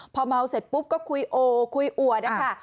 พอเมาเสร็จปุ๊บก็คุยโอคุยอวดนะคะ